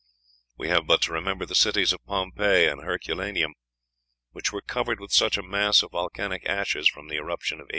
We have but to remember the cities of Pompeii and Herculaneum, which were covered with such a mass of volcanic ashes from the eruption of A.